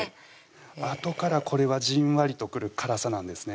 あとからこれはじんわりとくる辛さなんですね